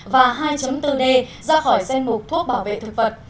và hai bốn d ra khỏi danh mục thuốc bảo vệ thực vật